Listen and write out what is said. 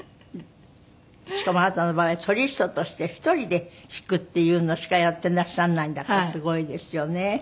しかもあなたの場合はソリストとして１人で弾くっていうのしかやってらっしゃらないんだからすごいですよね。